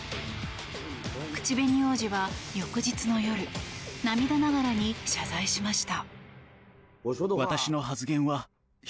口紅王子は、翌日の夜涙ながらに謝罪しました。